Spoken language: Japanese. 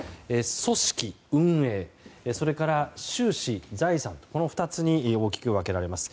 組織・運営それから収支・財産とこの２つに大きく分けられます。